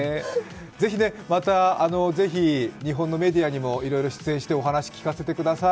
ぜひまた日本のメディアにもいろいろ出演してお話、聞かせてください。